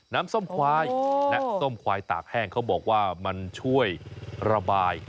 น้ำส้มควายและส้มควายตากแห้งเขาบอกว่ามันช่วยระบาย